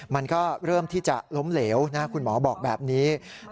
มันก็เริ่มที่จะล้มเหลวนะคุณหมอบอกแบบนี้